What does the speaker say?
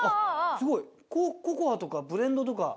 すごいココアとかブレンドとか。